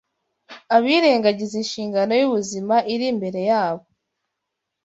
Abirengagiza inshingano y’ubuzima iri imbere yabo